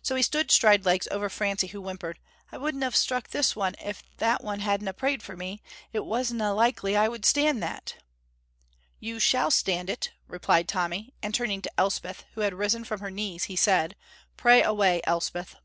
So he stood stridelegs over Francie, who whimpered, "I wouldna have struck this one if that one hadna prayed for me. It wasna likely I would stand that." "You shall stand it," replied Tommy, and turning to Elspeth, who had risen from her knees, he said: "Pray away, Elspeth."